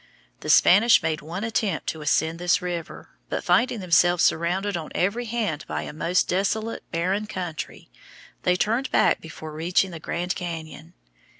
The Spanish made one attempt to ascend this river, but finding themselves surrounded on every hand by a most desolate, barren country, they turned back before reaching the Grand Cañon.